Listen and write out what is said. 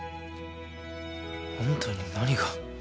あんたに何が。